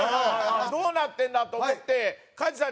どうなってんだ？と思って。